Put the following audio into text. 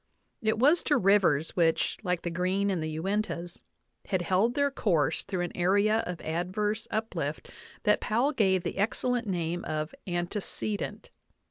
It was to rivers which, like the Green in the Uintas, had held their course through an area of adverse uplift that Powell gave the excellent name of antecedent.